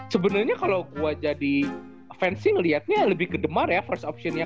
sebenernya kalau gue jadi fansing liatnya lebih kedemar ya first optionnya